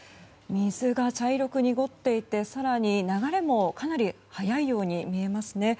水が茶色く濁っていて更に流れもかなり速いように見えますね。